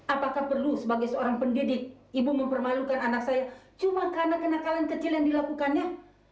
apakah perlu sebagai seorang pendidik ibu mempermalukan anak saya cuma karena kenakalan kecil yang dilakukannya